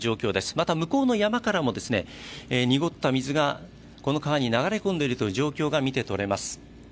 また、向こうの山からも濁った水がこの川に流れ込んでいるという状況が見て取れます。